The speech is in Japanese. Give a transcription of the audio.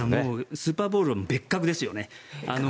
スーパーボウルは別格ですよね。